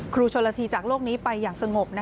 ครูชนละทีจากโลกนี้ไปอย่างสงบ